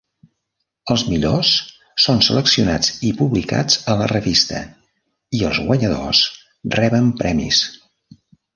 Els millors són seleccionats i publicats a la revista, i els guanyadors reben premis.